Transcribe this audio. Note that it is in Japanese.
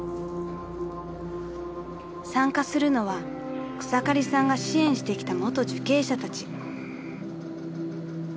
［参加するのは草刈さんが支援してきた元受刑者たち］